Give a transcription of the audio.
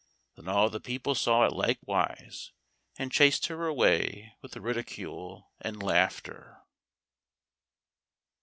Then all the people saw it likewise, and chased her away with ridicule and laughter.